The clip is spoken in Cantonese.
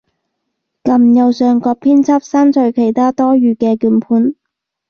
撳右上角編輯，刪除其它多餘嘅鍵盤